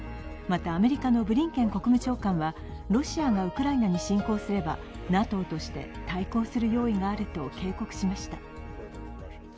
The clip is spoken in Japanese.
また、アメリカのブリンケン国務長官はロシアがウクライナに侵攻すれば、ＮＡＴＯとして対抗する用意があると警告しました。